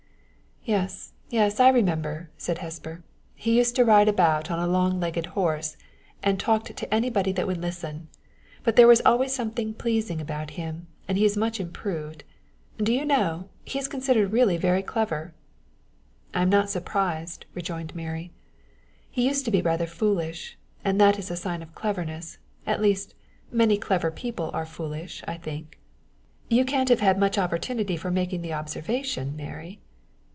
"Yes, yes, I remember," said Hesper. "He used to ride about on a long legged horse, and talked to anybody that would listen to him. But there was always something pleasing about him, and he is much improved. Do you know, he is considered really very clever?" "I am not surprised," rejoined Mary. "He used to be rather foolish, and that is a sign of cleverness at least, many clever people are foolish, I think." "You can't have had much opportunity for making the observation, Mary!"